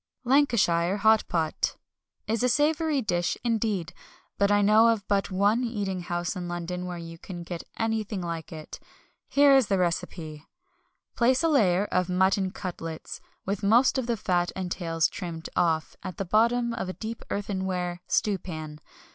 Lancashire Hot Pot is a savoury dish indeed; but I know of but one eating house in London where you can get anything like it. Here is the recipe Place a layer of mutton cutlets, with most of the fat and tails trimmed off, at the bottom of a deep earthenware stewpan.